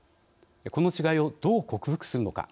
この違いをどう克服するのか。